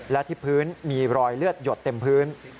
และที่พื้นมีรอยเลือดหยดเต็มพื้น